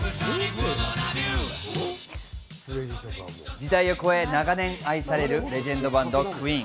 時代を超え長年愛されるレジェンドバンド・ＱＵＥＥＮ。